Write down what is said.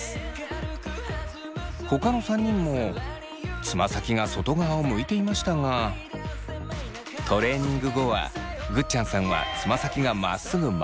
ほかの３人もつま先が外側を向いていましたがトレーニング後はぐっちゃんさんはつま先がまっすぐ前を向くように。